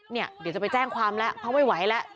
เดี๋ยวจะไปแจ้งความแล้วเพราะไม่ไหวแล้ว